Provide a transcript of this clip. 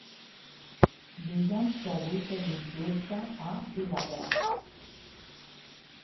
Digue'm si avui tenim pluja a Vilaverd.